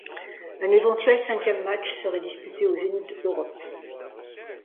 Un éventuel cinquième match serait disputé au Zénith Europe.